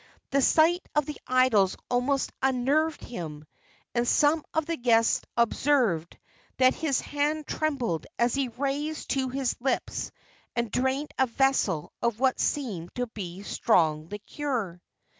The sight of the idols almost unnerved him, and some of the guests observed that his hand trembled as he raised to his lips and drained a vessel of what seemed to be strong liquor.